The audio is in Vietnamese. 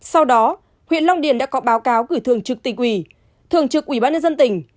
sau đó huyện long điền đã có báo cáo gửi thường trực tỉnh ủy thường trực ủy ban nhân dân tỉnh